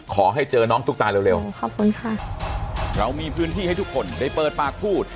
ขอให้เจอน้องตุ๊กตาเร็วเร็วขอบคุณค่ะเรามีพื้นที่ให้ทุกคนได้เปิดปากพูด